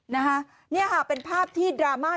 เนี่ยค่ะเป็นภาพที่ดราม่า